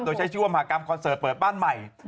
โดยใช้ชื่อว่ามหากรรมคอนเสิร์ตเปิดบ้านใหม่